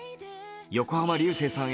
横浜流星さん